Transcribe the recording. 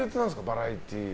バラエティー。